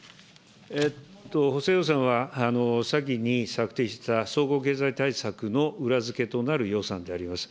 補正予算は、先に策定した総合経済対策の裏付けとなる予算であります。